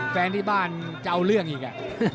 แฟนที่บ้านจะเอาเรื่องอีก